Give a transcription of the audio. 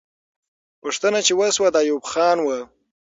پوښتنه چې وسوه، د ایوب خان وه.